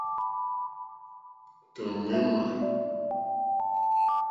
Tɔ̀ ŋměmà.